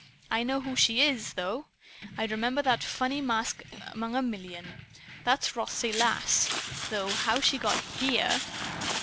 "I know who she IS, though. I'd remember that funny mask among a million. That's Rothsay Lass! Though how she got HERE